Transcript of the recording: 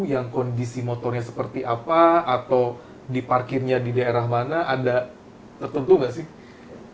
yang kondisi motornya seperti apa atau diparkirnya di daerah mana ada tertentu nggak sih